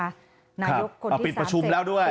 นายกคนที่๓๐ค่ะปิดประชุมแล้วด้วย